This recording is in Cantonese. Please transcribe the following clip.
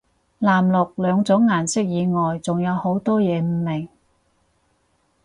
藍綠兩種顏色以外仲有好多嘢唔明